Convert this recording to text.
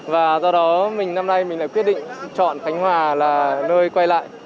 và do đó mình năm nay mình lại quyết định chọn khánh hòa là nơi quay lại